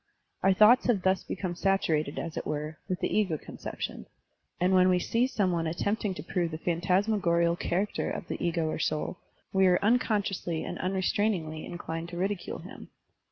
Our thoughts have thus become saturated, as it were, with the ego conception; and when we see some one attempting io prove the phantasmagorial char acter of the ego or soul, we are unconsciously and tmrestrainingly inclined to ridicule him.